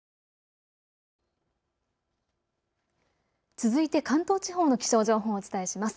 続いて関東地方の気象情報をお伝えします。